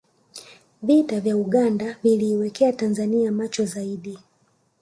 vita vya uganda viliiweka tanzania macho zaidi